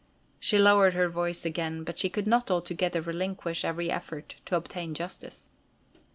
She lowered her voice again; but she could not altogether relinquish every effort to obtain justice.